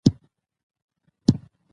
اصلاحات د پرمختګ نښه ده